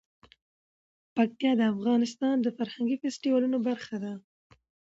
پکتیا د افغانستان د فرهنګي فستیوالونو برخه ده.